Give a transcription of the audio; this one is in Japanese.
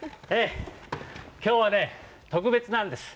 きょうはね、特別なんです。